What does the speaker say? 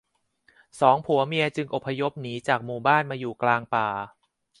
สองผัวเมียจึงอพยพหนีจากหมู่บ้านมาอยู่กลางป่า